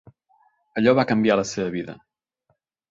Allò va canviar la seva vida.